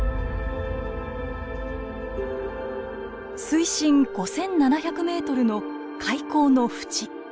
水深５，７００ｍの海溝のふち。